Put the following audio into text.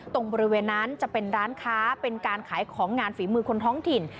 ตรงบริเวณนั้นจะเป็นร้านค้าเป็นการขายของงานฝีมือคนท้องถิ่น